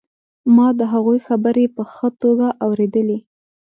ما د هغوی خبرې په ښه توګه اورېدلې